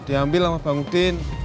diambil sama bang udin